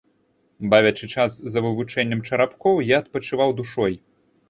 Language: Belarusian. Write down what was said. Бавячы час за вывучэннем чарапкоў, я адпачываў душой.